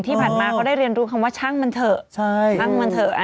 ที่ผ่านมาเขาได้เรียนรู้คำว่าช่างมันเถอะ